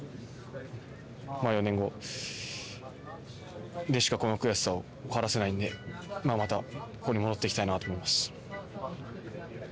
まあ４年後でしか、しっかりこの悔しさを晴らせないんでまたここに戻ってきたらなと思います。